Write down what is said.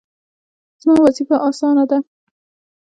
زما وظیفه اسانه ده